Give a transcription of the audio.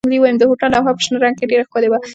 د هوټل لوحه په شنه رنګ کې ډېره ښکلې وه.